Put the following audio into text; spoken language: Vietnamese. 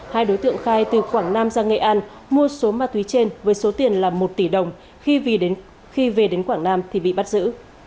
hai đối tượng khai từ quảng nam ra nghệ an mua số ma túy trên với số tiền là một tỷ đồng khi về đến quảng nam thì bị bắt giữ